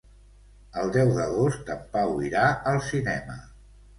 El deu d'agost en Pau irà al cinema.